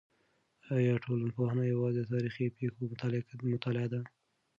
آیا ټولنپوهنه یوازې د تاریخي پېښو مطالعه ده؟